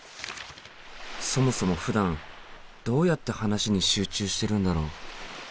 そもそもふだんどうやって話に集中してるんだろう？